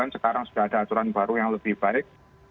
sekarang sudah ada aturan baru yang lebih baik